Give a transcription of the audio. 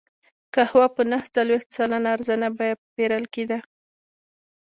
قهوه په نهه څلوېښت سلنه ارزانه بیه پېرل کېده.